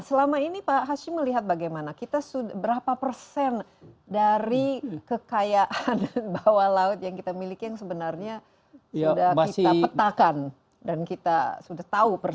selama ini pak hashim melihat bagaimana kita berapa persen dari kekayaan bawah laut yang kita miliki yang sebenarnya sudah kita petakan dan kita sudah tahu persis